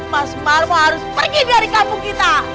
mas marmo harus pergi dari kampung kita